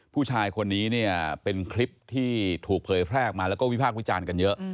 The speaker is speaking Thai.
ผู้ชายคนนี้เนี่ยเป็นคลิปที่ถูกเผยแพร่ออกมาแล้วก็วิพากษ์วิจารณ์กันเยอะ